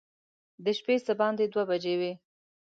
د شپې څه باندې دوه بجې وې.